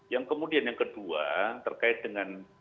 yang kemudian yang kedua terkait dengan